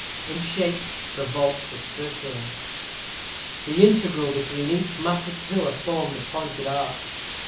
In shape, the vault was circular. The integral between each massive pillar formed a pointed arch.